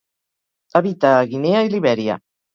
Habita a Guinea i Libèria.